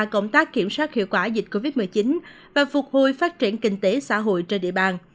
công tác kiểm soát hiệu quả dịch covid một mươi chín và phục hồi phát triển kinh tế xã hội trên địa bàn